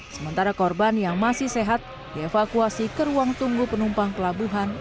sementara korban yang masih sehat dievakuasi ke ruang tunggu penumpang pelabuhan